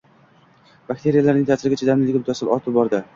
bakteriyalarning ta’sirga chidamliligi muttasil ortib bordi